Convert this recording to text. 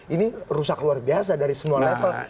ini rusak luar biasa dari semua level